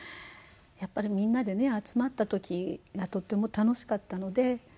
やっぱりみんなで集まった時がとっても楽しかったので。